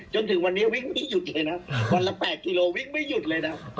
จนถึงวันนี้วิ่งไม่หยุดเลยนะวันละ๘กิโลวิ่งไม่หยุดเลยนะ